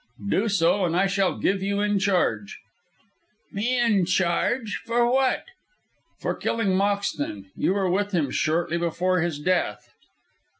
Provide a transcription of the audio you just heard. "Do so, and I shall give you in charge." "Me in charge, and for what?" "For killing Moxton. You were with him shortly before his death."